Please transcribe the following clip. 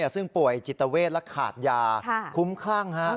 ซึ่งป่วยจิตเวทและขาดยาคุ้มคลั่ง